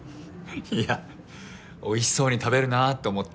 いやおいしそうに食べるなと思って。